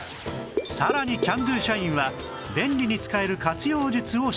さらにキャンドゥ社員は便利に使える活用術を知っていた